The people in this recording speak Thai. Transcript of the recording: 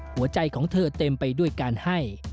หัวใจของเธอเต็มไปด้วยการให้